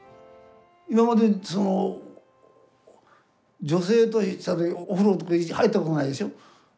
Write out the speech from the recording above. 今まで女性とお風呂とか入ったことないでしょ。